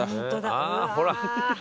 ああほら。